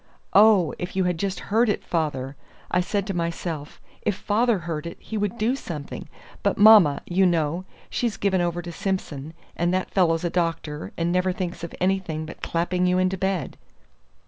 "Oh, if you had just heard it, father! I said to myself, if father heard it he would do something; but mamma, you know, she's given over to Simson, and that fellow's a doctor, and never thinks of anything but clapping you into bed."